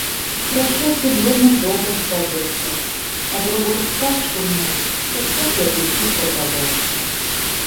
Хорошо, если дворник добрый попадётся, а другой так шугнёт, что всякий аппетит пропадает.